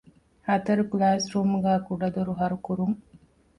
ހަތަރު ކްލާސްރޫމްގައި ކުޑަދޮރު ހަރުކުރުން